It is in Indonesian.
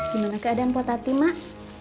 gimana keadaan potati mak